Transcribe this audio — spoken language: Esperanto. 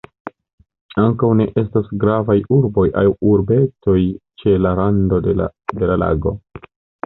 Ankaŭ ne estas gravaj urboj aŭ urbetoj ĉe la rando de la lago.